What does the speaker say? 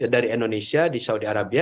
dari indonesia di saudi arabia